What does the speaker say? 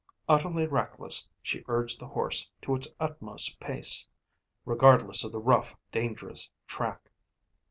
Utterly reckless, she urged the horse to his utmost pace, regardless of the rough, dangerous track.